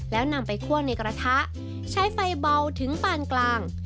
แล้วนำไปคั่วในกระทะใช้ไฟเบาถึงปานกลาง